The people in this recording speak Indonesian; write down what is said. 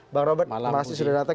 bang robert terima kasih sudah datang